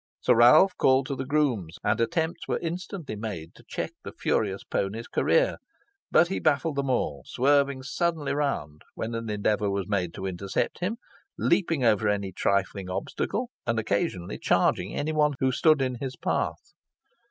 Sir Ralph called to the grooms, and attempts were instantly made to check the furious pony's career; but he baffled them all, swerving suddenly round when an endeavour was made to intercept him, leaping over any trifling obstacle, and occasionally charging any one who stood in his path.